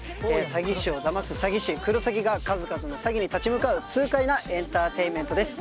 詐欺師をだます詐欺師クロサギが数々の詐欺に立ち向かう痛快なエンターテインメントです